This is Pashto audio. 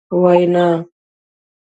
وینا ...